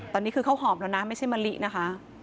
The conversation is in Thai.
ตอนนี้คือข้าวหอมแล้วนะไม่ใช่มะลินะคะ